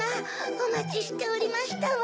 おまちしておりましたわ。